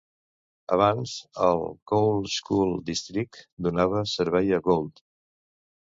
Abans el Gould School District donava servei a Gould.